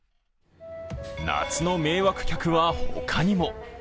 夏の迷惑客は他にも。